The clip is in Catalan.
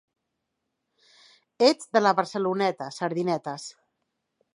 Els de la Barceloneta, sardinetes.